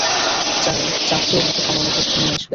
Charlie, চার্চে উনাকে সময়মত নিয়ে আসবে।